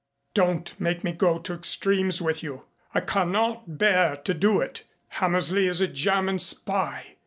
Don't make me go to extremes with you. I cannot bear to do it. Hammersley is a German spy.